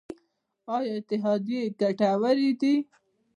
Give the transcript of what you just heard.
آیا اتحادیې ګټورې دي؟